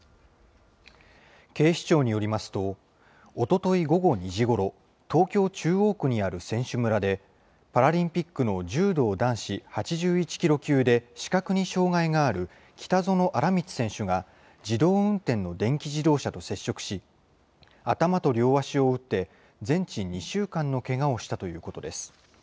警視庁によりますと、おととい午後２時ごろ、東京・中央区にある選手村で、パラリンピックの柔道男子８１キロ級で視覚に障害がある北薗新光選手が、自動運転の電気自動車と接触し、頭と両足を打って、全治２週間のけがをしたということです。